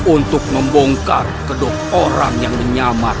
untuk membongkar kedok orang yang menyamar pajajaran